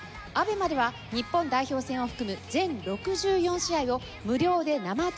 ＡＢＥＭＡでは日本代表戦を含む全６４試合を無料で生中継。